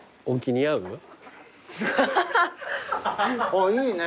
あっいいね。